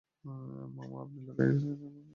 মামা, আপনি লাকির সাথে এভাবে কথা বলতে পারেন না।